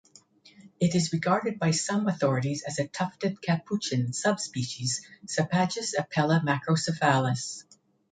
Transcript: It is regarded by some authorities as a tufted capuchin subspecies, "Sapajus apella macrocephalus".